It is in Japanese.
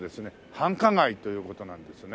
繁華街という事なんですね。